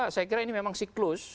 saya kira ini memang siklus